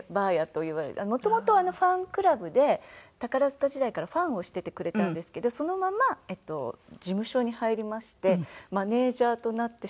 もともとファンクラブで宝塚時代からファンをしててくれたんですけどそのまま事務所に入りましてマネージャーとなって。